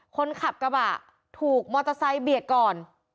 คนขับกระบะถูกมอเตอร์ไซค์เบียดก่อน